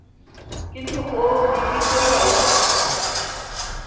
কিন্তু ও ভিকি কই গেল?